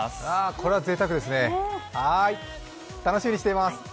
これはぜいたくですね、楽しみにしています。